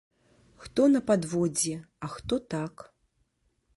Хто на падводзе, а хто так.